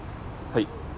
はい。